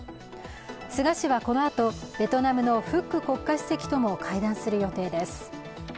菅氏はこのあと、ベトナムのフック国家主席とも会談する予定です。